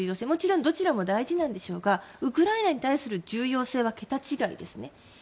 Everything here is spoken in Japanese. もちろんどちらも大事なんでしょうがウクライナに対する重要性は桁違いですね。